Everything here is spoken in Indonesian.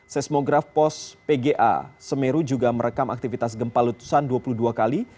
seismograf pos pga semeru juga merekam aktivitas gempa letusan dua puluh dua kali